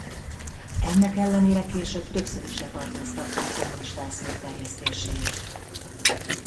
Ennek ellenére később többször is letartóztatták kommunista eszmék terjesztéséért.